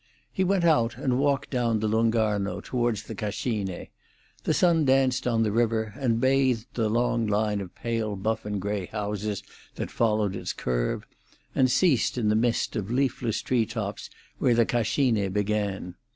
He went out and walked down the Lung' Arno toward the Cascine. The sun danced on the river, and bathed the long line of pale buff and grey houses that followed its curve, and ceased in the mist of leafless tree tops where the Cascine began.